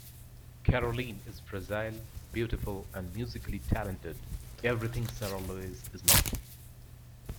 Caroline is fragile, beautiful, and musically talented--everything Sara Louise is not.